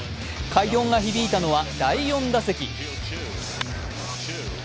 快音が響いたのは第４打席。